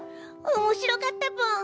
おもしろかったぽん！